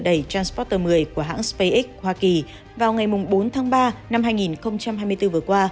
đầy transporter một mươi của hãng spacex hoa kỳ vào ngày bốn tháng ba năm hai nghìn hai mươi bốn vừa qua